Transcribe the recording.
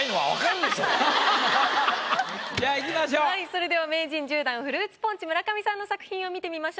それでは名人１０段フルーツポンチ村上さんの作品を見てみましょう。